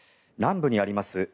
南部にあります